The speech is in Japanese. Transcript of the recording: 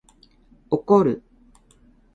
怒る